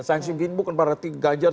sangsi begini bukan berarti ganjar